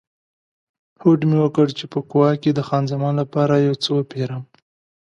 هوډ مې وکړ چې په کووا کې د خان زمان لپاره یو څه وپیرم.